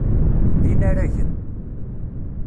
D inaragen.